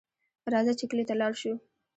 راځئ چې کلي ته لاړ شو